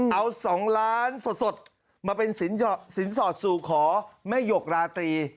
เอา๒ล้านสดมาเป็นสินสอดสู่ขอแม่หยกราตรี